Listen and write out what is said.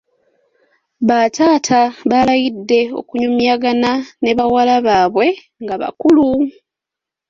Ba taata balayidde okunyumyagana ne bawala baabwe nga bakula.